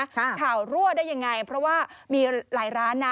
ข่าวรั่วได้ยังไงเพราะว่ามีหลายร้านนะ